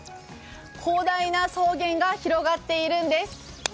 広大な草原が広がっているんです。